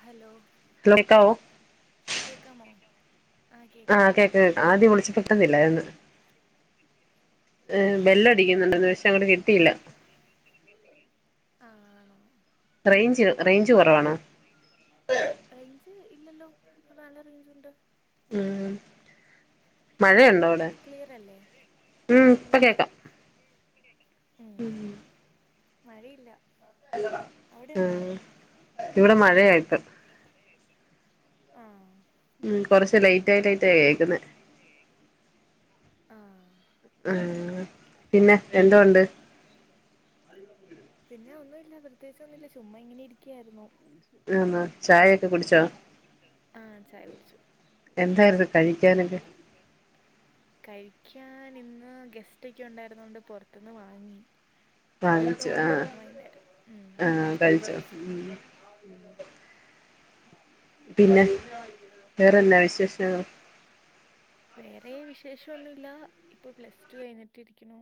Hello കേൾക്കാവോ? കേക്കാമോ? ആഹ് കേക്ക കേക്ക ആദ്യം വിളിച്ചു കിട്ടുന്നില്ലായിര്ന്ന്. അ് ബെല്ലടിക്കുന്നുണ്ട്ന്ന്ണ്ട് പക്ഷെ അങ്ങട്ട് കിട്ടിയില്ല. ആഹ് ആണോ റേഞ്ച് റേഞ്ച് കുറവാണോ റേഞ്ച് ഇല്ലല്ലോ ഇവിടെ നല്ല റേഞ്ച് ണ്ട് ഉം മഴയുണ്ടോ അവിടെ ക്ലിയർ അല്ലേ ഇല്ല ഉം മഴയില്ല ഉം ഇവിടെ മഴ ആയിട്ട് [inaudible] ആഹ് ഉ കുറച്ച് ലേറ്റായിയിട്ടായിട്ട കേൾക്കുന്നെ ആഹ് ആ പിന്നെ എന്തൊണ്ട് പിന്നെ ഒന്നുല്ല പ്രത്യേകിച്ച് ഒന്നുല്ല ചുമ്മ ഇങ്ങനെ ഇരിക്കായിരുന്നു ആഹ് ചായൊക്കെ കുടിച്ചോ എന്തായിരുന്നു കഴിക്കാനൊക്കെ [inaudible] കഴിക്കാനിന്ന് ഗെസ്റ്റൊക്കെ ണ്ടായിരുന്നൊണ്ട് പൊറത്ത്ന്ന് വാങ്ങി മന്തി വാങ്ങിയായിരുന്നു വൈകുന്നേരം ഉം അപ്പത് കഴിച്ചു പിന്നെ വേറെന്താ വിശേഷം വേറെ വിശേഷന്നുല്ല ഇപ്പൊ പ്ലസ്ടു കഴിഞ്ഞിട്ട് ഇരിക്കുണു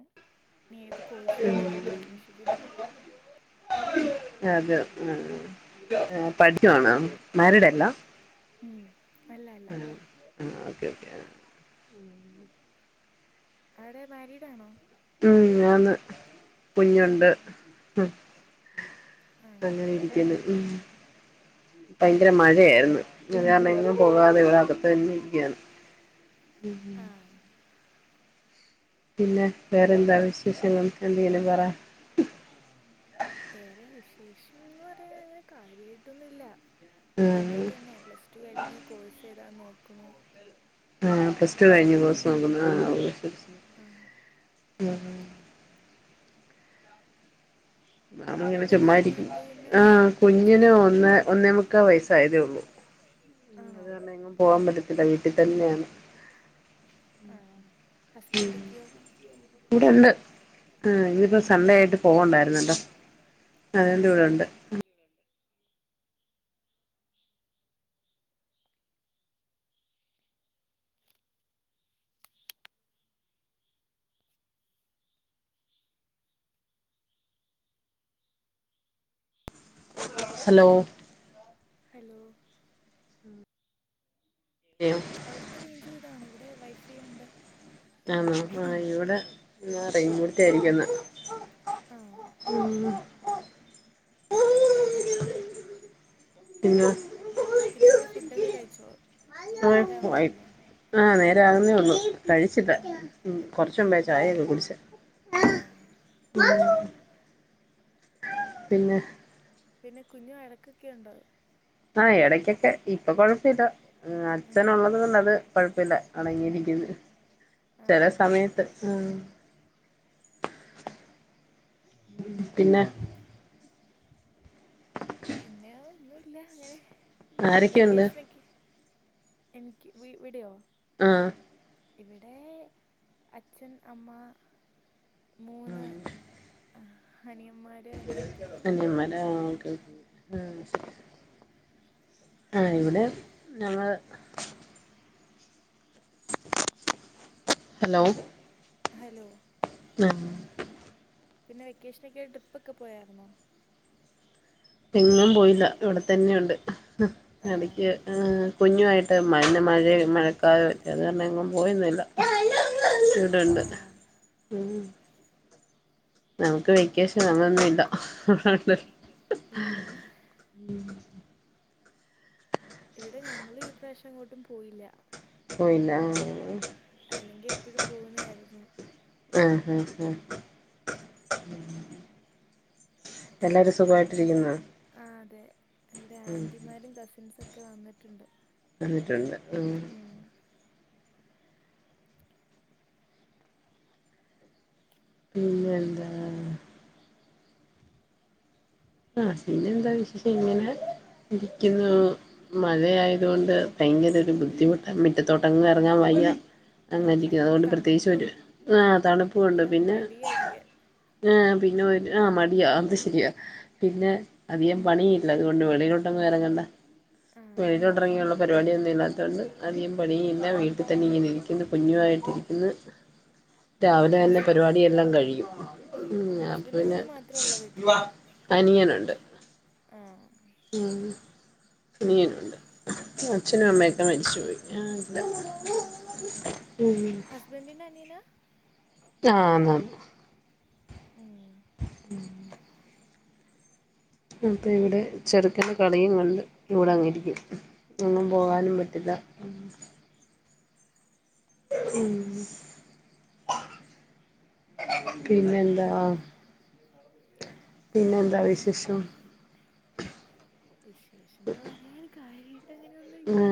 ഇനി ഏതു കോഴ്സ് വേണന്നൊക്കെ അന്വേഷിക്കുന്നു അതെ ഉം പഠിക്കാണോ പഠിക്കാണ് ഉം അങ്ങനെയല്ല അല്ല അല്ല ഉം ഓക്കെ ഓക്കെ ആവിടെ മാരീഡാണോ ഉം ആന്ന് കുഞ്ഞുണ്ട് അങ്ങനെ ഇരിക്കുന്നു ഉം ഭയങ്കര മഴയായിരുന്നു അത് കാരണം എങ്ങും പോകാതെ ഇവിടെ അകതെന്നെ ഇരിക്യാണ് ഉം പിന്നെ വേറെന്താ വിശേഷങ്ങൾ എന്തെങ്കിലും പറ വേറെ വിശേഷംന്ന് പറയാൻ അങ്ങനെ കാര്യയിട്ടൊന്നൂല്ല്യ തൊക്കെ തന്നെ പ്ലസ് ടു കഴിഞ്ഞു കോഴ്സ് ഏതാ നോക്ണു ആഹ് പ്ലസ് ടു കഴിഞ്ഞു കോഴ്സ് നോക്കുന്നു ആഹ് ശരി ഞാനിങ്ങനെ ചുമ്മാരിക്കും ആ കുഞ്ഞിന് ഒന്നേ ഒന്നേ മുക്കാ വയസ്സായതേയൊള്ളു അത് കാരണം എങ്ങും പോകാൻ പറ്റത്തില്ല വീട്ടിൽ തന്നെയാണ് ആഹ് ഹസ്ബന്റൊക്കെയോ ഇവിടെണ്ട് ഇന്നിപ്പോ സൺഡേ ആയിട്ട് പോവണ്ടായിരുന്നല്ലോ അതോണ്ട് ഇവിടെ ണ്ട് ഹലോ ഹലോ [unintelligible] അവിടുത്തെ റെയ്ഞ്ച് പോയതാണ് ഇവിടെ വൈഫൈ ണ്ട് ആണോ ആഹ് ഇവിടെ ആഹ് റെയ് [unintelligible] ന്നാ പിന്നെ പിന്നെ അവിടെ ഫുഡൊക്കെ കഴിച്ചോ അ നേരാവുന്നേയൊള്ളോ ആഹ് നേരാകുന്നേയൊള്ളു കഴിച്ചില്ല കുറച്ചുമുമ്പേ ചായൊക്കെ കുടിച്ചേ ആഹ് മ് പിന്നെ പിന്നെ കുഞ്ഞു വഴക്കൊക്കെ ണ്ടോ ആഹ് എടക്കൊക്കെ ഇപ്പൊ കൊഴപ്പില്ല അച്ഛനള്ളതുകൊണ്ട് അത് കൊഴപ്പില്ല അടങ്ങി ഇരിക്കുന്ന് ചെല സമയത്ത് ഉം പിന്നെ ന്നെ പിന്നെ ഒന്നുല്ല അങ്ങനെ വെക്കേഷനൊക്കെ എനിക്ക് വി വിടയോ ആഹ് ഇവിടെ അച്ഛൻ അമ്മ മൂന്ന് അനിയന്മാർ അനിയന്മാരാ ആഹ് ഓക്കെ ഓ ആഹ് ഇവിടെ ഞങ്ങള് [inaudible] ഹലോ ഹലോ ആഹ് പിന്നെ വെക്കേഷനൊക്കെയായിട്ട് ട്രിപ്പ ഒക്കെ പോയായിരുന്നോ എങ്ങും പോയില്ല ഇവിടെത്തന്നെയുണ്ട് എടക്ക് കുഞ്ഞുമായിട്ട് മ മഴ മഴ തായ അത്കാരണം എങ്ങും പോയൊന്നില്ല ഇവിടുണ്ട് നമുക്ക് വെക്കേഷൻ അങ്ങനൊന്നും ഇല്ല ഉം ഉം ഇവിടെ ഞങ്ങളും ഈ പ്രാവശ്യം എങ്ങോട്ടും പോയില്ല അല്ലെങ്കിൽ എപ്പോഴും പോകുന്നായിരുന്നു ആഹ് ഹാ ഹാ എല്ലാരും സുഖായിട്ട് ഇരിക്കുന്നൊ ആ അതെ ഇവിടെ ആന്റിമാരും കസിൻസൊക്കെ വന്നിട്ടുണ്ട് വന്നിട്ടുണ്ട് ഉം പിന്നെ എന്താ ആഹ് പിന്നെന്താ വിശേഷം ഇങ്ങനെ ഇരിക്കുന്നു മഴയായതുകൊണ്ട് ഭയങ്കര ഒരു ബുദ്ധിമുട്ട് മിറ്റത്തോട്ടങ്ങ് എറങ്ങാൻ വയ്യ അങ്ങനരിക്കു അതുകൊണ്ട് പ്രത്യേകിച്ച് ഒരു ആഹ് തണുപ്പുണ്ട് പിന്നെ ആഹ് പിന്നെ ഒരു ആഹ് മടിയാ അത് ശരിയാ പിന്നെ അധികം പണിയില്ല അതുകൊണ്ട് വെളിയിലോട്ടങ്ങ് ഇറങ്ങണ്ട വെളിയിലോട്ട ഇറങ്ങിയുള്ള പരിപാടിയൊന്നും ഇല്ലാത്തൊണ്ട് അധികം പണിയില്ലാ വീട്ടിൽ തന്നെ ഇങ്ങനെ ഇരിക്കുന്നു കുഞ്ഞു ആയിട്ട് ഇരിക്കുന്ന് [inaudible] ഹസ് രാവിലെ തന്നെ പരിപാടി എല്ലാം കയിഞ്ഞ് ആഹ് ഹസ്ബൻഡും കുഞ്ഞും മാത്രേ ള്ളൊ വീട്ടില് ആഹ ഉം അനിയനുണ്ട് അച്ഛനും അമ്മയൊക്കെ മരിച്ചുപൊയി ഉം ഹസ്ബന്‍ഡിന്റെ അനിയനാ ആഹ് ആന്ന്ന് ഉം [unintelligible] അപ്പോ ഇവിടെ ചെറുക്കന്റെ കളിയും കണ്ട് ഇവിടെങ്ങിരിക്കും എങ്ങും പോകാനും പറ്റില്ല [unintelligible] ഉം പിന്നെന്താ പിന്നെ വിശേഷംന്ന് പറയാൻ കാര്യം ട്ട് അങ്ങനെനൊന്നില്ല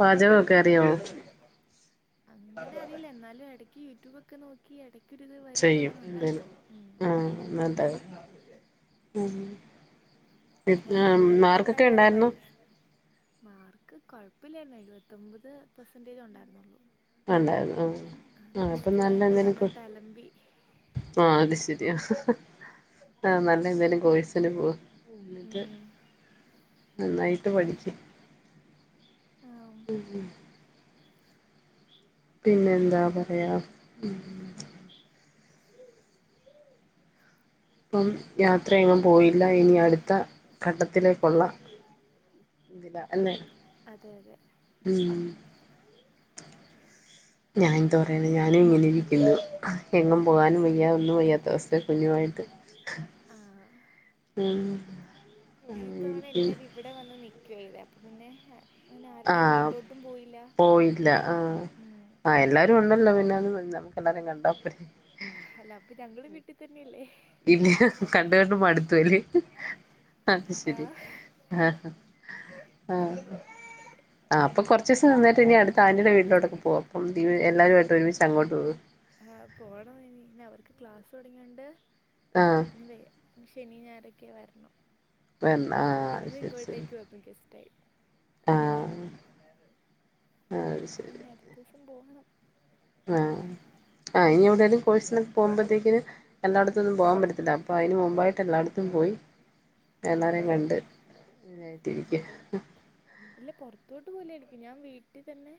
പാചകൊക്കെ അറിയാവൊ അങ്ങനെ അറിയില്ല എന്നാലും ഇടക്ക് യൂട്യൂബ് ഒക്കെ നോക്കി ഇടക്കൊരു ഇത് വരുമ്പോ അങ്ങനെ ഉണ്ടാക്കും ഉം ഉം നല്ലത് ഉം വല്ലപ്പോഴൊക്കെ ഉണ്ടാക്കാറുള്ളൂ അല്ല മാർക്ക് കൊഴപ്പല്ലായിര്ന്നു എഴുപത്തൊൻമ്പത് പേഴ്സന്റേജ് ഉണ്ടായിരുന്നുള്ളൂ ആഹ് പ്ലസ് ടു കയിഞ്ഞിട്ട് നന്നായിട്ട് അലമ്പി ആഹ് അത് ശരിയാ ആഹ് നല്ല എന്തായാലും കോഴസിന് പോവ എന്നിട്ട് നന്നായിട്ട് പഠിച്ച് ഉം പിന്നെന്താ പറയാ ഉം ഇപ്പം യാത്രയെങ്ങും പോയില്ല ഇനി അടുത്ത ഘട്ടത്തിലേക്കുള്ള അതെ അതെ ഉം [unintelligible] ഇങ്ങനെ ഇരിക്കുന്നു. എങ്ങും പോകാനും വയ്യ ഒന്നും വയ്യാത്തവസ്ഥ ആഹ് ഉം ഈ തവണ എല്ലാരും ഇവിടെ വന്ന് നിക്കുവല്ലേ അപ്പൊ പിന്നെ അങ്ങനെ ആരുടെയും വീട്ടിലോട്ടും പോയില്ല ഇല്ല ആഹ് ആഹ് എല്ലാരും ഉണ്ടല്ലോ പിന്നെ [unintelligible] നമുക്ക് എല്ലാരേം കണ്ടാപ്പോരെ അല്ല അപ്പൊ ഞങ്ങള് വീട്ടിത്തന്നെയല്ലേ പിന്നെ കണ്ട് കണ്ട് മടുത്തു അല്ലേ അത് ശരി ആഹ് ഹാ ആഹ് [inaudible] ആഹ് അപ്പൊ കുറച്ചീസം നിന്നിട്ട് ഇനി അടുത്ത് ആന്റിടെ വീട്ടിലോട്ടൊക്കെ പോവ. അപ്പം എല്ലാരുവായിട്ട് ഒരുമിച്ച് അങ്ങോട്ട് പോക ആഹ് പോണം ഇനി. ഇനി അവർക്ക് ക്ലാസ് തുടങ്ങിയോണ്ട് ആഹ് ഇനി വേ ഇനി ശനി ഞായറൊക്കെ വരണം ഇന്നും ഇങ്ങോട്ടേക്ക് വന്നു ഗസ്റ്റായി ആഹ് അപ്പൊ പിന്നെ അടുത്തൂസം പോകണം ആഹ് ആഹ് ഇനി എവിടേലും കോഴ്സിനൊക്ക പോകുമ്പത്തേക്കിന് എല്ലാട്ത്തൊന്നും പോകാൻ പറ്റത്തില്ല. അപ്പൊ അയിന് മുമ്പായിട്ട് എല്ലാട്ത്തും പോയി [inaudible] എല്ലാരേയും കണ്ട് [unintelligible] ഇരിക്ക് ഇല്ല പൊറത്തോട്ട് പോവൂല ഞാൻ വീട്ടിത്തന്നെ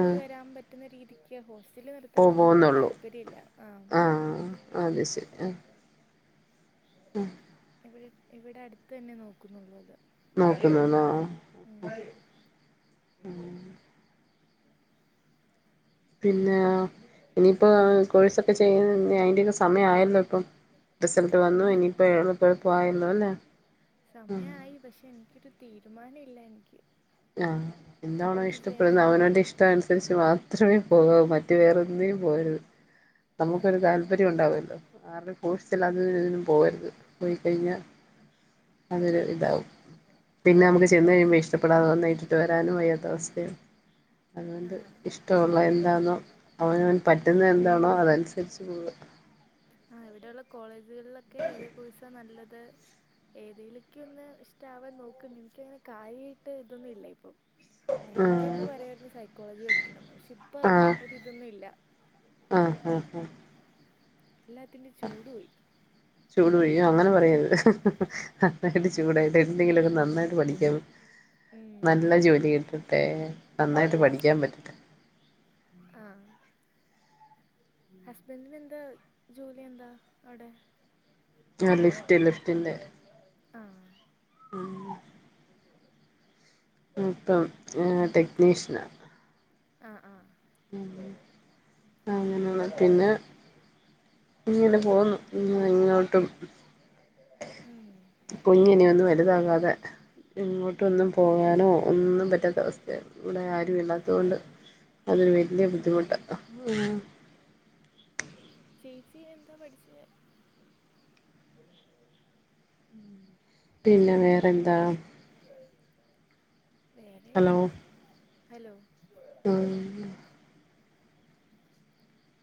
പോയി വരാൻ പറ്റുന്ന രീതി ക്ക്‌ ഹോസ്റ്റലില് നിർത്താനൊന്നും ഇവർക്ക് താല്പര്യല്ല ആഹ് അത് ശരി ആഹ് ഉം ഇവിടെ ഇവിടെ അടുത്ത് തന്നെ നോക്കുന്നുള്ളൂ അതാ നോക്കുന്ന്ന്നോ ആഹ് പിന്നെയോ ഇനിയിപ്പോ കോഴ്സൊക്കെ ചെയ്യ് അതിന്റൊക്കെ സമയായല്ലോ ഇപ്പൊ റിസൾട്ട് വന്നു ഇനിയിപ്പോ [unintelligible] എളുപ്പായല്ലോ ല്ലേ സമയായി പക്ഷെ ഇൻകിട്ട് ഒരു തീരുമാനം ഇല്ല എനിക്ക് ആഹ് എന്താണോ ഇഷ്ടപ്പെടുന്നത് അവനോന്റെ ഇഷ്ടം അനുസരിച്ച് മാത്രമേ പോകാവൂ മറ്റു വേറൊന്നിനും പോവരുത് നമുക്കൊരു താല്പര്യം ഉണ്ടാവൊല്ലോ ആരുടേം ഫോഴ്‌സില് അതിനും ഇതിനും പോവരുത്. പോയി കഴിഞ്ഞാ അതൊരു ഇതാവും പിന്നെ നമുക്ക് ചെന്ന് കഴിയുമ്പേ ഇഷ്ടപ്പെടാതെ വന്ന ഇട്ടിട്ട് വരാനും വയ്യാത്ത അവസ്ഥയാണ് അതുകൊണ്ട് ഇഷ്ടമുള്ള എന്താന്നോ അവനവന് പറ്റുന്നത് എന്താണോ അതനുസരിച്ച് പോക ആഹ് ഇവിടെയുള്ള കോളേജുകളിലൊക്കെ ഏത് കോഴ്സ നല്ലത് ഏതെലേക്കയൊന്ന് ഇഷ്ടാവാൻ നോ നിക്കങ്ങനെ കാരിയായിട്ട് ഇതൊന്നും ഇല്ല ഇപ്പം നേരത്തെൊക്കെ പറയമായിരുന്ന സ കോളേജ് പഠിക്കണെന്ന് പക്ഷേ ഇപ്പോൾ അത് അവരിതൊന്നും ഇില്ല ആഹ് ആഹ് ആഹ് എല്ലാത്തിന്റെ ചൂട് പോയി ചൂട് വഴിയും അങ്ങനെ പറയരുത് അന്നായിട്ട് ചൂടായി എന്തെങ്കിലുമൊക്കെ നന്നായിട്ട് പഠിക്കാം നല്ല ജോലി കിട്ടട്ടെ നന്നായിട്ട് പഠിക്കാൻ പറ്റടേ ആഹ ഹസ്ബൻഡിന് എന്താ ജോലി എന്താ അവിടെ ആ ലിഫ്റ്റ് ലിഫ്റ്റിൻന്റെ ആഹ ഇപ്പം ടെക്നീഷ്യന ആഹ് ആഹ് ഉ ആഹ ഞാനള [unintelligible] പിന്നെ ഇങ്ങനെ പോണു ഇ ഇങ്ങോട്ടും ഉം കുഞ്ഞു ഒന്നും വലുതാകാതെ ഇങ്ങോട്ടൊന്നും പോകാനോ ഒന്നും പറ്റാത്ത അവസ്ഥയാ ഇവിടെ ആരും ഇല്ലാത്ത കൊണ്ട് അതൊരു വല്യ ബുദ്ധിമുട്ടാ ചേച്ചി എന്താ പഠിച്ചേ പിന്നെ വേറെന്താ വേറെേ ഹലോ ഉം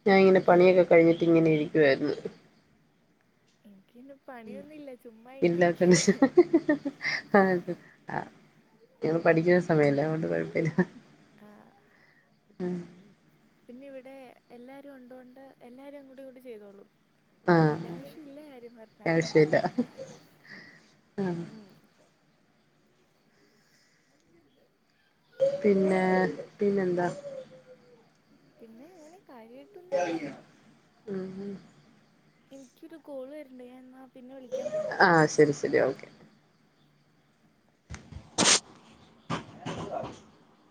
ഞാൻ ഇങ്ങനെ പണിയൊക്കെ കഴിഞിട്ടങ്ങനെ ഇരിക്കുവായിരുന്നു എനിക്ക്പിന്നെ പണിയൊന്നുല്ല ചുമ്മാ ഇങനെ ഇരിക്ക ആത ആ ഞ പഠിക്കുന്ന സമയല്ലേ അതോണ്ട് കൊഴപ്പല പിന്നെ ഇവിടെ എല്ലാരും ഉണ്ടോണ്ട് എല്ലാരും അങ്ങോടും ഇങ്ങോട്ടുംചെയ്തോളും എന്റെ ആവശ്യം ഇല്ല കാര്യം പറഞ്ഞാ ഉ പിന്നെ പിന്നെന്താ പിന്നെ അങ്ങനെ കാര്യമായിട്ടും ഉം എനിക്കൊരു കോള് വരണ്ട് ഞാൻ ന്നാ പിന്നെ വിളിക്കാം ആ ശരി ശരി ഓക്കെ [unintelligible] [inaudible]